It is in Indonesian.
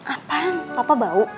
apaan bapak bau